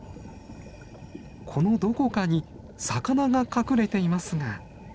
このどこかに魚が隠れていますが。